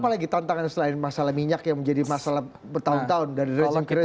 apalagi tantangan selain masalah minyak yang menjadi masalah bertahun tahun dari ruang kredit